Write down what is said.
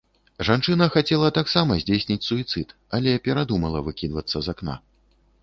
Жанчына хацела таксама здзейсніць суіцыд, але перадумала выкідвацца з акна.